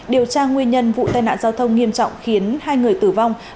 điều tra nguyên nhân vụ tai nạn giao thông nghiêm trọng khiến hai người tử vong